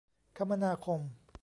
คมนาคม